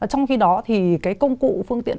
trong khi đó thì cái công cụ phương tiện